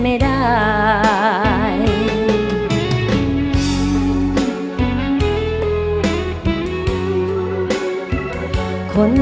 เพลง